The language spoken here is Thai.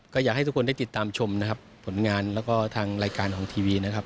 ก็อยากให้ทุกคนได้ติดตามชมนะครับผลงานแล้วก็ทางรายการของทีวีนะครับ